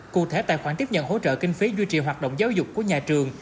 cụ thể tài khoản tiếp nhận hỗ trợ kinh phí duy trì hoạt động giáo dục của nhà trường